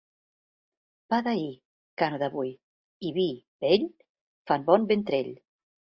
Pa d'ahir, carn d'avui i vi vell fan bon ventrell.